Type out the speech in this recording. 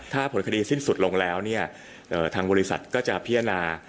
ถ้าผลคดีสิ้นสุดลงแล้วเนี่ยทางบริษัทก็จะพิจารณา